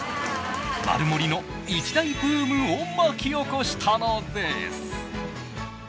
「マルモリ」の一大ブームを巻き起こしたのです。